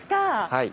はい。